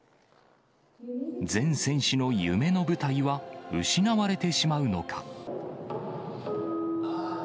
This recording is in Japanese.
全選手の夢の舞台は失われてしまうのか。